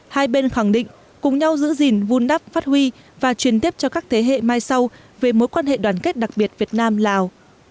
hai bên khẳng định cùng nhau giữ gìn vun đắp phát huy và truyền tiếp cho các thế hệ mai sau về mối quan hệ đoàn kết đặc biệt việt nam lào